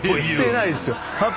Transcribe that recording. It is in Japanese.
してないですよ。